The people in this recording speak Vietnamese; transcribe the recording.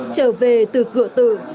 trở về từ cửa tử